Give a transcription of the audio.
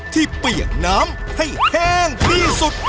เปียกน้ำให้แห้งที่สุด